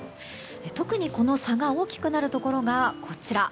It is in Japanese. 特にこの差が大きくなるところがこちら。